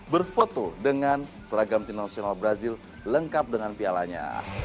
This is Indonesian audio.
berfoto dengan seragam tim nasional brazil lengkap dengan pialanya